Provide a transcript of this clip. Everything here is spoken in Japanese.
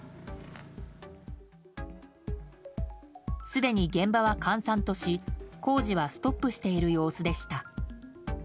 すでに現場は閑散とし工事はストップしている様子でした。